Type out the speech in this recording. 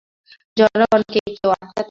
জনগণকে কেউ আটকাতে পারবে না।